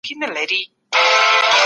احمد شاه ولي د هند پر لور حرکت وکړ؟